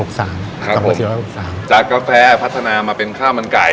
จากกาแฟพัฒนามาเป็นข้าวมันไก่